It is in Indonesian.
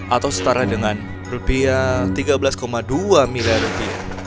atau setara dengan rupiah tiga belas dua miliar rupiah